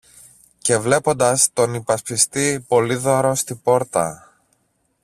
Και βλέποντας τον υπασπιστή Πολύδωρο στην πόρτα